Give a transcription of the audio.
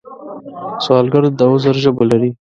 سوالګر د عذر ژبه لري